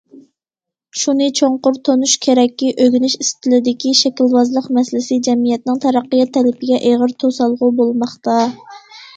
شۇنى چوڭقۇر تونۇش كېرەككى، ئۆگىنىش ئىستىلىدىكى شەكىلۋازلىق مەسىلىسى جەمئىيەتنىڭ تەرەققىيات تەلىپىگە ئېغىر توسالغۇ بولماقتا.